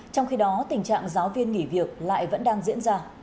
trong khi đó tình trạng giáo viên nghỉ việc lại vẫn đang diễn ra